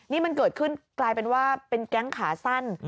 นี่มันเกิดขึ้นกลายเป็นว่าเป็นแก๊งขาสั้น